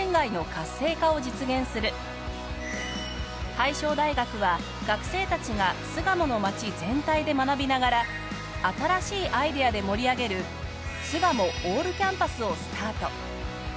大正大学は学生たちが巣鴨の街全体で学びながら新しいアイデアで盛り上げるすがもオールキャンパスをスタート。